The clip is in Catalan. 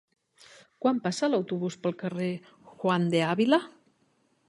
Quan passa l'autobús pel carrer Juan de Ávila?